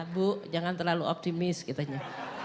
bu jangan terlalu optimis gitu nya